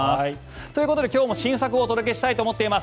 ということで今日も新作をお届けしたいと思っています。